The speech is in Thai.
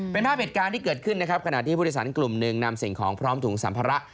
เป็นภาพเหตุการณ์ที่เกิดขึ้นนะครับขณะที่ผู้โดยสารกลุ่มหนึ่งนำสิ่งของพร้อมถุงสัมภาระ